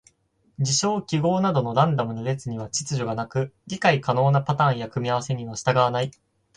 事象・記号などのランダムな列には秩序がなく、理解可能なパターンや組み合わせに従わない。